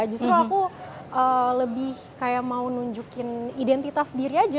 justru aku lebih kayak mau nunjukin identitas diri aja